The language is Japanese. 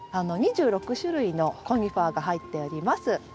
２６種類のコニファーが入っております。